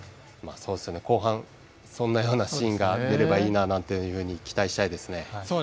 後半そんなようなシーンが見れればいいななんて期待したいですね。